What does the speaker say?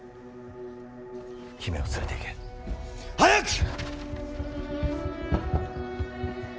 姫を連れていけ。早く！